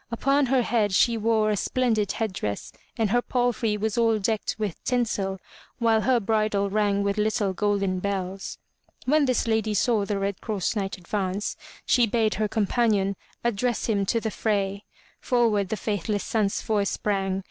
Upon her head she wore a splendid headdress and her palfrey was all decked with tinsel, while her bridle rang with little golden bells. When this lady saw the Red Cross Knight advance, she bade her companion address him to the fray. Forward the faithless Sansfoy sprang.